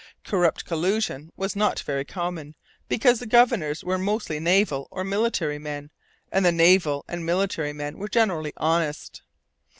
Corrupt collusion was not very common, because the governors were mostly naval or military men, and the naval and military men were generally honest.